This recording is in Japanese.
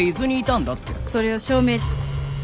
それを証明。